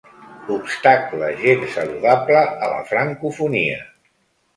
Obstacle gens saludable a la francofonia.